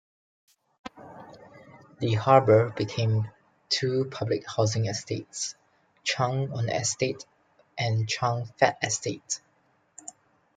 The harbour became two public housing estates, Cheung On Estate and Cheung Fat Estate.